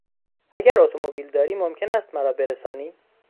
اگر اتومبیل داری ممکن است مرا برسانی؟